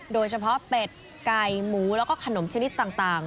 โดยเฉพาะเป็ดไก่หมูแล้วก็ขนมชนิดต่าง